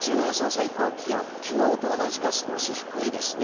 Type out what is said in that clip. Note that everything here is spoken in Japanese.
最高気温昨日と同じか少し低いです。